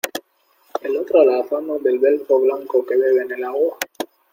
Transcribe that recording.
el otro alazano del belfo blanco que bebe en el agua.